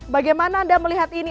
bagaimana anda melihat ini